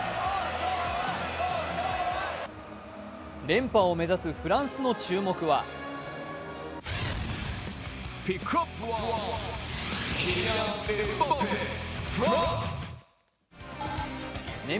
連覇を目指すフランスの注目は年俸